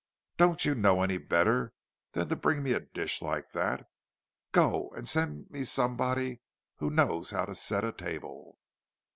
"Don't you know any better than to bring me a dish like that? Go and send me somebody who knows how to set a table!"